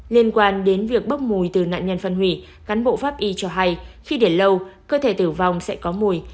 liên quan đến việc bốc mùi từ nạn nhân phân hủy cán bộ pháp y cho hay khi đến lâu cơ thể tử vong sẽ có mùi